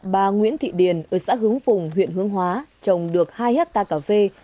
bà nguyễn thị điền ở xã hướng phùng huyện hướng hóa trồng được hai hectare cà phê